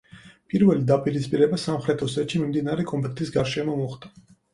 პირველი დაპირისპირება სამხრეთ ოსეთში მიმდინარე კონფლიქტის გარშემო მოხდა.